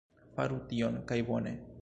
Faru tion... kaj bone...